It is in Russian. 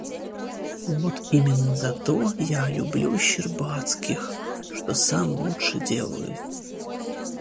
Вот именно за то я люблю Щербацких, что сам лучше делаюсь.